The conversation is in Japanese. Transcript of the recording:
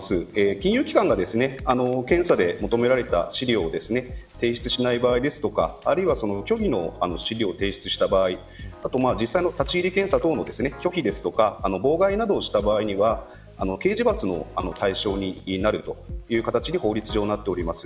金融機関が、検査で求められた資料を提出しない場合ですとかあるいは虚偽の資料を提出した場合実際の立ち入り検査等の拒否とか妨害などをした場合は刑事罰の対象になるという形で法律上なっています。